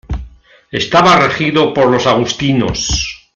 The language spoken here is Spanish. Estaba regido por los agustinos.